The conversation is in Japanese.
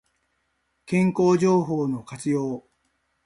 健康情報の活用